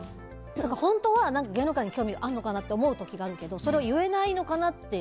本当は芸能界に興味があるのかなって思う時があるけどそれを言えないのかなって。